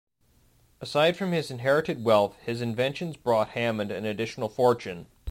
Aside from his inherited wealth, his inventions brought Hammond an additional fortune.